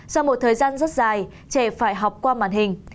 sau một thời gian rất dài trẻ phải học qua màn hình